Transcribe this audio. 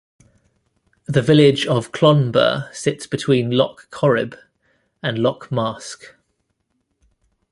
The village of Clonbur sits between Lough Corrib and Lough Mask.